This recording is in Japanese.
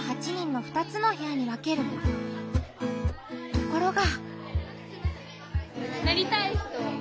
ところが。